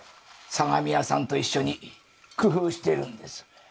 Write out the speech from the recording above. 相模屋さんと一緒に工夫しているんです。